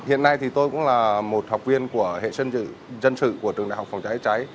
hiện nay thì tôi cũng là một học viên của hệ dân sự dân sự của trường đại học phòng cháy cháy